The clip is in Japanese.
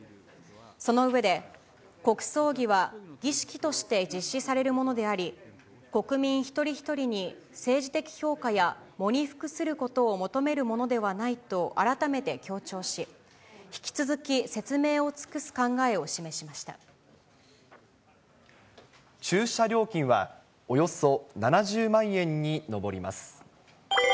その上で、国葬儀は儀式として実施されるものであり、国民一人一人に政治的評価や、喪に服することを求めるものではないと改めて強調し、引き続き、駐車料金はおよそ７０万円に上ります。